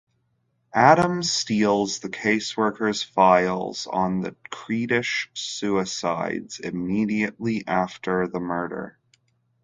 Adam steals the caseworker's files on the Creedish suicides immediately after the murder.